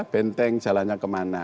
benteng jalannya kemana